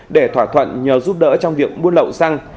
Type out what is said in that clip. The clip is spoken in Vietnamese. để thỏa thuận nhờ giúp đỡ trong việc buôn lậu xăng